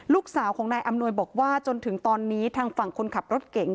ลูกสาวของนายอำนวยบอกว่าจนถึงตอนนี้ทางฝั่งคนขับรถเก่ง